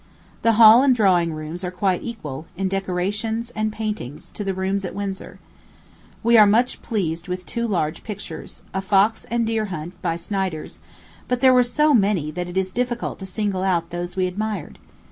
The hall and drawing rooms are quite equal, in decorations and paintings, to the rooms at Windsor. We were much pleased with two large pictures a fox and deer hunt, by Snyders; but there were so many, that it is difficult to single out those we admired.